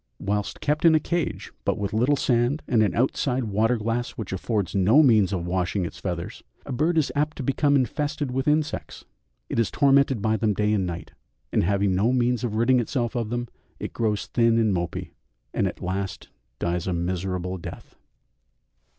Whilst kept in a cage with but little sand and an outside water glass which affords no means of washing its feathers, a bird is apt to become infested with insects; it is tormented by them day and night, and having no means of ridding itself of them, it grows thin and mopy, and at last dies a miserable death.